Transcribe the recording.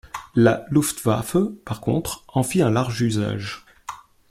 La Luftwaffe, par contre, en fit un large usage.